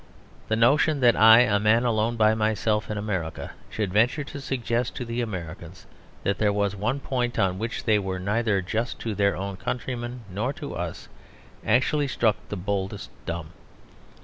The notion that I, a man alone by myself in America, should venture to suggest to the Americans that there was one point on which they were neither just to their own countrymen nor to us, actually struck the boldest dumb!